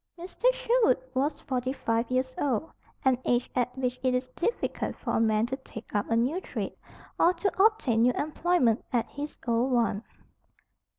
Mr. Sherwood was forty five years old, an age at which it is difficult for a man to take up a new trade, or to obtain new employment at his old one.